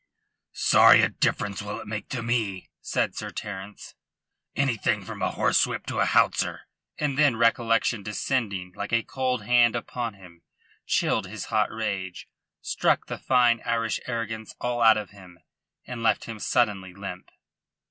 "Sorry a difference will it make to me," said Sir Terence. "Anything from a horsewhip to a howitzer." And then recollection descending like a cold hand upon him chilled his hot rage, struck the fine Irish arrogance all out of him, and left him suddenly limp.